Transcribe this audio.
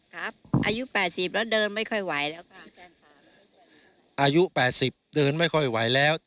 อายุแปดสิบแล้วเดินไม่ค่อยไหวแล้วค่ะแจ้งความอายุแปดสิบเดินไม่ค่อยไหวแล้ว